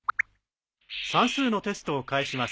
算数のテストを返します。